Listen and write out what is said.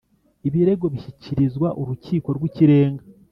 Ibirego bishyikirizwa urukiko rw’ ikirenga